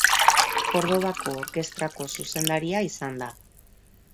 Kordobako orkestrako zuzendaria izan da.